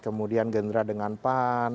kemudian gerindra dengan pan